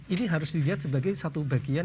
ini harus dilihat sebagai satu bagian